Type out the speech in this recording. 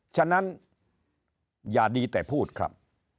ฉะนั้นอย่าดีแต่พูดครับ